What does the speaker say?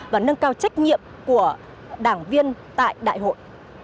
và nâng cao trách nhiệm của đảng viên tại đại hội